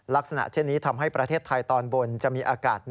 ลักษณะเช่นนี้